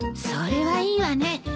それはいいわね。